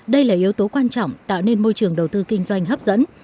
đây là yếu tố quan trọng tạo nên môi trường đầu tư kinh doanh hấp dẫn